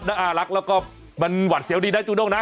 น่ารักแล้วก็มันหวัดเสียวดีนะจูด้งนะ